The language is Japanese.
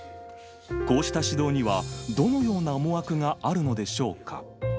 こうした指導には、どのような思惑があるのでしょうか。